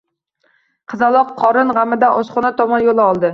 Qizaloq qorin g`amida oshxona tomon yo`l oldi